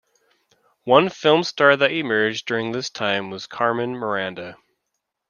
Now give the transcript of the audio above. One film star that emerged during this time was Carmen Miranda.